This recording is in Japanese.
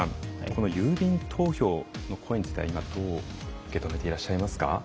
この郵便投票の声についてはどう受け止めていらっしゃいますか？